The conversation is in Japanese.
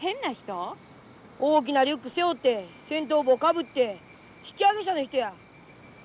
大きなリュック背負って戦闘帽かぶって引き揚げ者の人や。